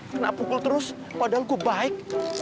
kena pukul terus padahal ku baik